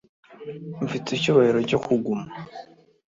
Mfite icyubahiro cyo kuguma